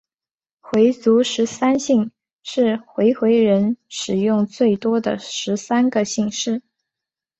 回族十三姓是回回人使用最多的十三个姓氏。